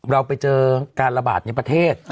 เราไปเจอการระบาดในประเทศ